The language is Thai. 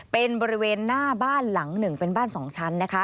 เป็นบริเวณหน้าบ้านหลัง๑บ้าน๒ชั้น